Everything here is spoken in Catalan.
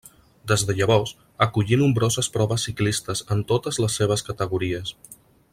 Des de llavors acollí nombroses proves ciclistes en totes les seves categories.